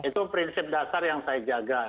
itu prinsip dasar yang saya jaga